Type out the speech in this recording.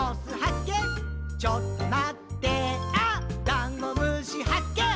ダンゴムシはっけん